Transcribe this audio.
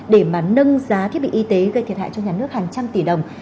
để mà nâng giá thiết bị y tế gây thiệt hại cho nhà nước hàng trăm tỷ đồng